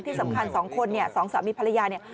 ที่สำคัญสองคนเนี่ยสองสามีภรรยาเนี่ย